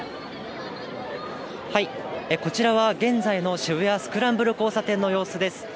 こちらは現在の渋谷スクランブル交差点の様子です。